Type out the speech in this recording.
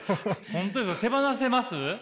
本当に手放せます？